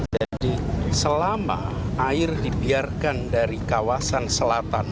jadi selama air dibiarkan dari kawasan selatan